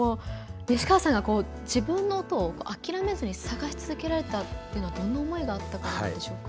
西川さんが自分の音を諦めずに探し続けられたというのはどんな思いがあったからなんでしょうか？